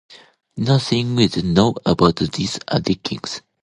Nothing is known about these early kings.